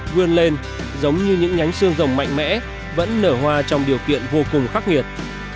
vươn lên giống như những nhánh xương rồng mạnh mẽ vẫn nở hoa trong điều kiện vô cùng khắc nghiệt